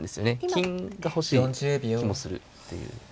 金が欲しい気もするっていう。